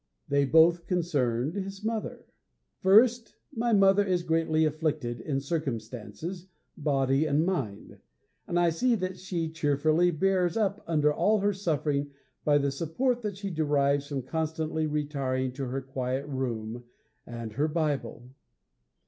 They both concerned his mother. 'First, my mother is greatly afflicted in circumstances, body and mind; and I see that she cheerfully bears up under all her suffering by the support that she derives from constantly retiring to her quiet room and her Bible.